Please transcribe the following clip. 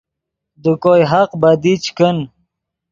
دے کوئے حق بدی چے کن